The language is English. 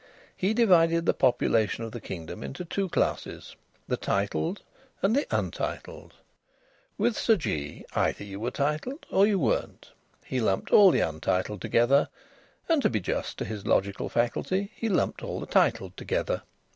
He divided the population of the kingdom into two classes the titled and the untitled. With Sir Jee, either you were titled, or you weren't. He lumped all the untitled together; and to be just to his logical faculty, he lumped all the titled together.